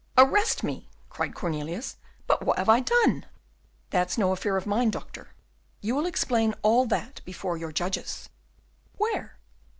"Arrest me!" cried Cornelius; "but what have I done?" "That's no affair of mine, Doctor; you will explain all that before your judges." "Where?"